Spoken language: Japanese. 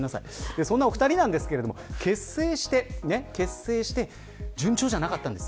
そんな、お二人なんですけど結成して順調じゃなかったんです。